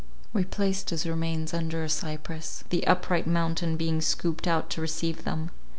We placed his remains under a cypress, the upright mountain being scooped out to receive them.